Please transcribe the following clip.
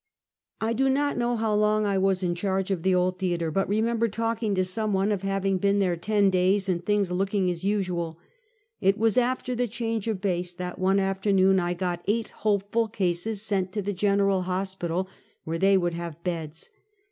I DO not know how long I was in charge of the old tiieater, but remember talking to some one of having been there ten days, and things looking as usual. It was after the change of base, that one afternoon I got eight hopeful cases sent to the General Hospital, where they w^ould have beds.